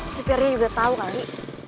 supirnya juga tau kali